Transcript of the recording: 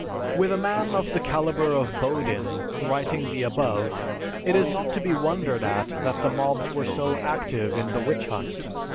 With a man of the caliber of Bodin writing the above, it is not to be wondered at that the mobs were so active in the "Witch Hunt."